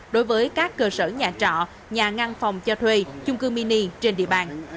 đối với các cơ sở nhà trọ nhà ngăn phòng cho thuê chung cư mini trên địa bàn